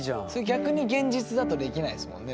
逆に現実だとできないですもんね。